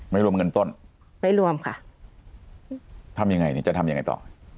ไม่รวมเงินต้นไม่รวมค่ะทำยังไงนี่จะทำยังไงต่อ